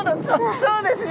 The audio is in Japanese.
そうですね。